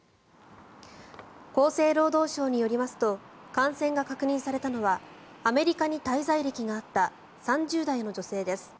厚生労働省によりますと感染が確認されたのはアメリカに滞在歴があった３０代の女性です。